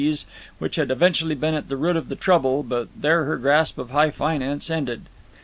D.'s, which had evidently been at the root of the trouble; but there her grasp of high finance ended.